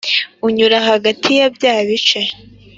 Unyura hagati ya bya bice